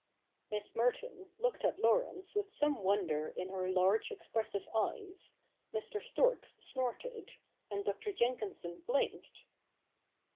Miss MertQi^ J^i^j^;^ at Laurence with some wonder in her large expressi^Ye eyes, Mr. Storks snorted, and Dr. Jenkinson blinked.